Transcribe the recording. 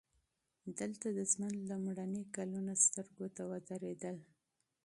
دلته د ژوند لومړي کلونه سترګو ته ودرېدل